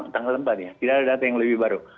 tanggal empat ya tidak ada data yang lebih baru